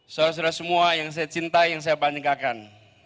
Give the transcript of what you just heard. seolah olah semua yang saya cintai yang saya panikakan